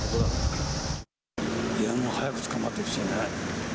いや、もう早く捕まってほしいね。